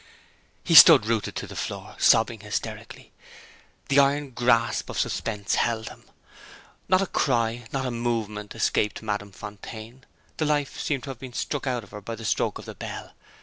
He stood rooted to the floor, sobbing hysterically. The iron grasp of suspense held him. Not a cry, not a movement escaped Madame Fontaine. The life seemed to have been struck out of her by the stroke of the bell.